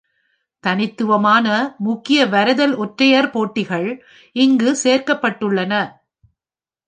தனித்துவமான முக்கிய வரைதல் ஒற்றையர் போட்டிகள் இங்கு சேர்க்கப்பட்டுள்ளன.